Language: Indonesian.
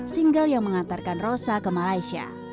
single yang mengantarkan rosa ke malaysia